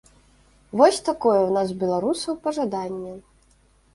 Вось такое ў нас, беларусаў, пажаданне.